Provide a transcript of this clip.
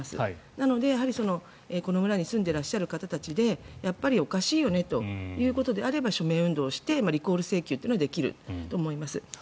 なので、この村に住んでらっしゃる方たちでやっぱりおかしいよねということであれば署名運動をしてリコール請求というのをできると思います。